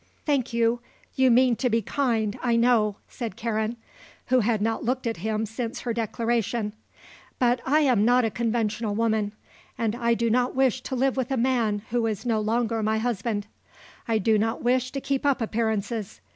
"Thank you, you mean to be kind, I know," said Karen, who had not looked at him since her declaration; "But I am not a conventional woman and I do not wish to live with a man who is no longer my husband. I do not wish to keep up appearances.